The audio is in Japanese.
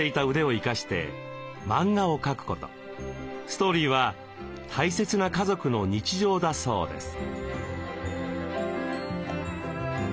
ストーリーは大切な家族の日常だそうです。